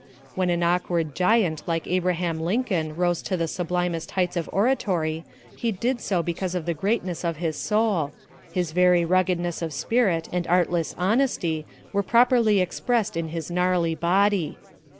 When an awkward giant like Abraham Lincoln rose to the sublimest heights of oratory he did so because of the greatness of his soul his very ruggedness of spirit and artless honesty were properly expressed in his gnarly body.